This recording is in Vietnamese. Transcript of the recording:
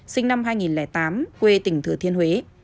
sinh năm hai nghìn tám quê tỉnh thừa thiên huế